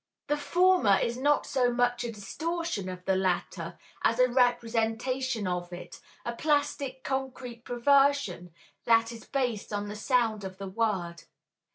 The former is not so much a distortion of the latter as a representation of it, a plastic concrete perversion that is based on the sound of the word.